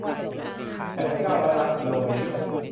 แปดพันเก้าร้อยล้านกิโลเมตร